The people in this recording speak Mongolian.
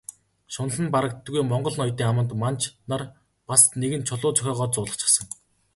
Шунал нь барагддаггүй монгол ноёдын аманд манж нар бас нэгэн чулуу зохиогоод зуулгачихсан.